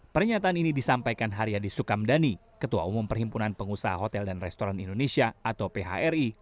pernyataan ini disampaikan haryadi sukamdhani ketua umum perhimpunan pengusaha hotel dan restoran indonesia atau phri